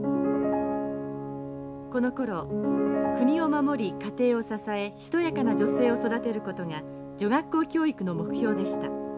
このころ国を守り家庭を支えしとやかな女性を育てることが女学校教育の目標でした。